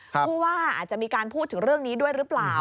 ผู้ว่าอาจจะมีการพูดถึงเรื่องนี้ด้วยหรือเปล่า